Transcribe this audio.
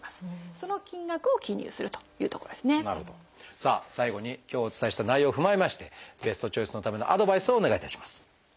さあ最後に今日お伝えした内容を踏まえましてベストチョイスのためのアドバイスをお願いいたします。